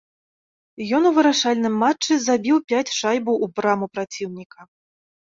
Ён у вырашальным матчы забіў пяць шайбаў у браму праціўніка.